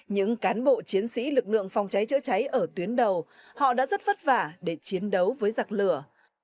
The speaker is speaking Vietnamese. những cán bộ chiến sĩ lực lượng phòng cháy chữa cháy ở tuyến đầu họ đã rất vất vả để chiến đấu với giặc lửa